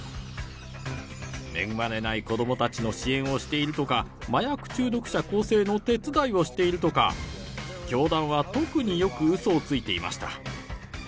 恵まれない子どもたちの支援をしているとか、麻薬中毒者更生の手伝いをしているとか、教団は特によくうそをついていました。